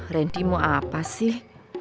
rendy mau apa sih